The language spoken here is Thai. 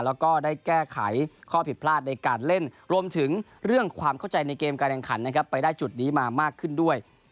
แล้วก็ได้แก้ไขข้อผิดพลาดในการเล่นรวมถึงเรื่องความเข้าใจในเกมการแข่งขันนะครับไปได้จุดนี้มามากขึ้นด้วย